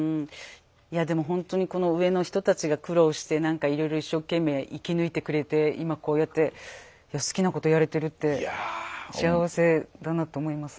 いやでもほんとにこの上の人たちが苦労してなんかいろいろ一生懸命生き抜いてくれて今こうやって好きなことやれてるって幸せだなと思いますね。